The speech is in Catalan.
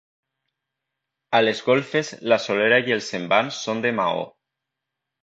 A les golfes la solera i els envans són de maó.